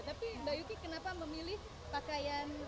tapi mbak yuki kenapa memilih pakaian